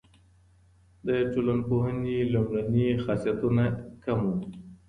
د ټولنپوهنې لومړني خاصيتونه کوم وو؟